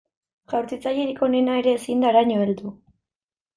Jaurtitzailerik onena ere ezin da haraino heldu.